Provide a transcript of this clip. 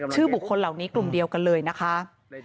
บุคคลเหล่านี้กลุ่มเดียวกันเลยนะคะ